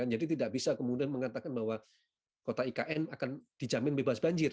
jadi tidak bisa kemudian mengatakan bahwa kota ikn akan dijamin bebas banjir